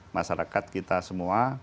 masyarakat kita semua